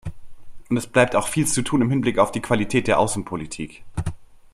Und es bleibt auch viel zu tun im Hinblick auf die Qualität der Außenpolitik.